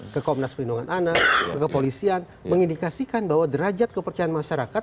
ke komnas perlindungan anak ke kepolisian mengindikasikan bahwa derajat kepercayaan masyarakat